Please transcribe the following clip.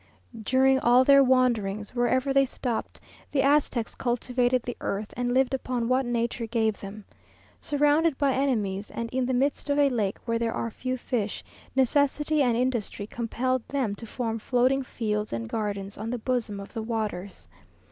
During all their wanderings, wherever they stopped, the Aztecs cultivated the earth, and lived upon what nature gave them. Surrounded by enemies and in the midst of a lake where there are few fish, necessity and industry compelled them to form floating fields and gardens on the bosom of the waters.